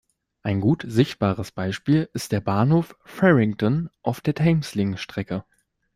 Ein gut sichtbares Beispiel ist der Bahnhof Farringdon auf der Thameslink-Strecke.